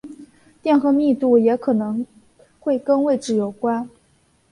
电荷密度也可能会跟位置有关。